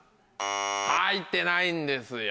入ってないんですよ。